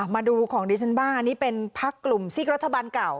มาดูของดิฉันบ้างนี่เป็นพักกลุ่มซีกรัฐบาลเก่า